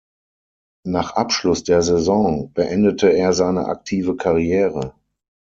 Nach Abschluss der Saison beendete er seine aktive Karriere.